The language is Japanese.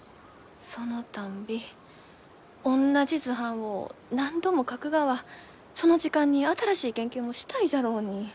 そのたんびおんなじ図版を何度も描くがはその時間に新しい研究もしたいじゃろうに。